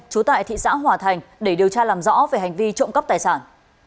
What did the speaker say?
trú tại thị xã hòa thành để điều tra làm rõ về hành vi trộm cắp tài sản